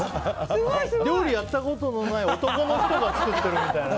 料理やったことのない男の人が作ってるみたいな。